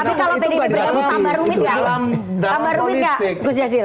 menurut pkb kalau pdip bergabung tambah rumit gak